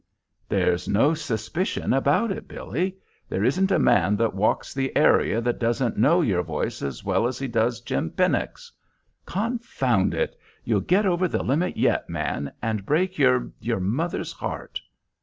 "There's no suspicion about it, Billy. There isn't a man that walks the area that doesn't know your voice as well as he does Jim Pennock's. Confound it! You'll get over the limit yet, man, and break your your mother's heart."